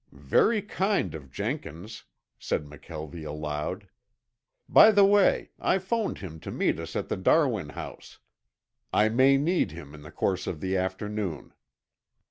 "Very kind of Jenkins," said McKelvie aloud. "By the way I phoned him to meet us at the Darwin house. I may need him in the course of the afternoon."